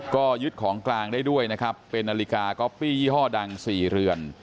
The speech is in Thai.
ก็ยึดของกลางได้ด้วยนะครับเป็นนาฬิกาก๊อปปี้ยี่ห้อดัง๔เรือน